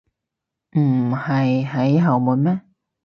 唔係喺後門咩？